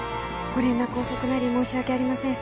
ご連絡遅くなり申し訳ありません。